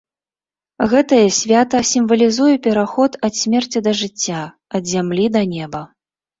Гэтае свята сімвалізуе пераход ад смерці да жыцця, ад зямлі да неба.